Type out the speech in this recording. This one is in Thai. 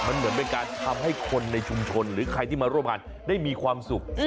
มันเหมือนเป็นการทำให้คนในชุมชนหรือใครที่มาร่วมงานได้มีความสุข